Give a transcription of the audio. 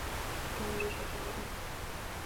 توم ليس سعيدا.